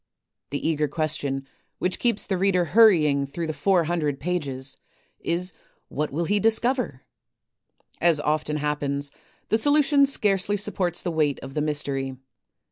The eager question which keeps the reader hurrying through the four hundred pages is * What will he discover? ' As often happens, the solution scarcely supports the weight of the mystery.